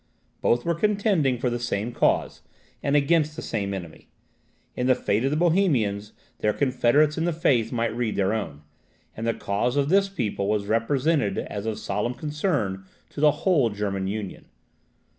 Both were contending for the same cause, and against the same enemy. In the fate of the Bohemians, their confederates in the faith might read their own; and the cause of this people was represented as of solemn concern to the whole German union.